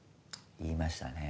言いましたね。